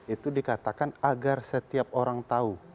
itu dikatakan agar setiap orang tahu